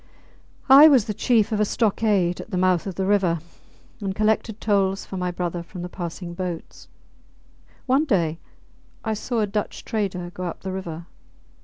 I was the chief of a stockade at the mouth of the river, and collected tolls for my brother from the passing boats. One day I saw a Dutch trader go up the river.